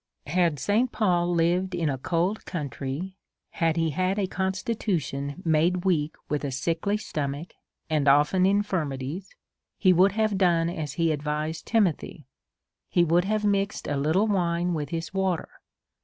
Had St. Paul lived in a cold country, had he had a constitution made weak with a sickly stomach, and often infirmities, he would have done as he advised Timothy ; he would have mixed a little wine with his water.